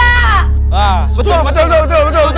ah betul betul betul betul